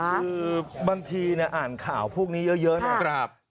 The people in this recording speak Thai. คือบางทีอ่านข่าวพวกนี้เยอะนะครับ